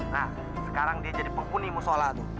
nah sekarang dia jadi penghuni musola tuh